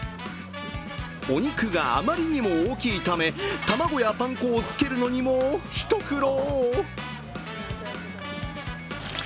お肉があまりにも大きいため、卵やパン粉をつけるのにも一苦労。